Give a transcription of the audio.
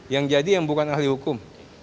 yang jadi yang bukan ahli hukum